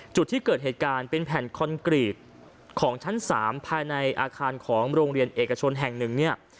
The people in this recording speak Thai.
จุดที่เกิดเหตุการณ์เป็นแผ่นคอนกรีตของชั้น๓ภายในอาคารของโรงเรียนเอกชนแห่งหนึ่งเนี่ย